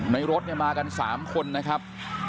รถเนี่ยมากัน๓คนนะครับ